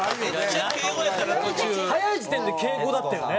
早い時点で敬語だったよね。